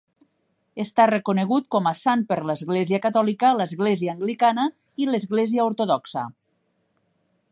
Està reconegut com a sant per l'Església Catòlica, l'Església Anglicana i l'Església Ortodoxa.